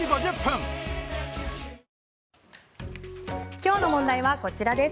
今日の問題はこちらです。